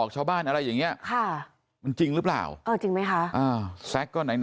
ลอกชาวบ้านอะไรอย่างนี้มันจริงหรือเปล่าจริงไหมคะ